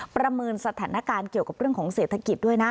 ประเมินสถานการณ์เกี่ยวกับเรื่องของเศรษฐกิจด้วยนะ